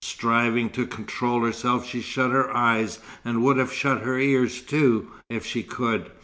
Striving to control herself she shut her eyes, and would have shut her ears too, if she could.